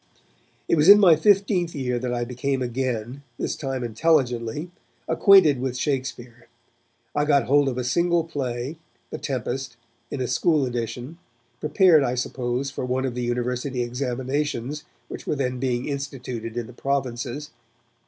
It was in my fifteenth year that I became again, this time intelligently, acquainted with Shakespeare. I got hold of a single play, The Tempest, in a school edition, prepared, I suppose, for one of the university examinations which were then being instituted in the provinces.